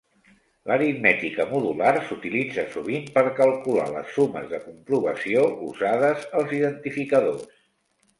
L'aritmètica modular s'utilitza sovint per calcular les sumes de comprovació usades als identificadors.